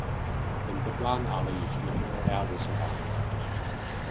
Tento plán ale již nebyl realizován.